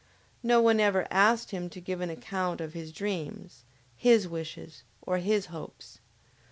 No one ever asked him to give an account of his dreams, his wishes, or his hopes.